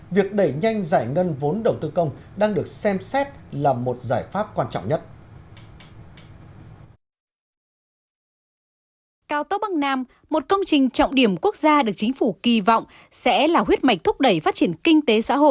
việc đẩy nhanh giải ngân vốn đầu tư công đang được xem xét là một giải pháp quan trọng nhất